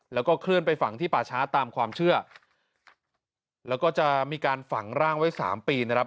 แล้วก็เคลื่อนไปฝังที่ป่าช้าตามความเชื่อแล้วก็จะมีการฝังร่างไว้สามปีนะครับ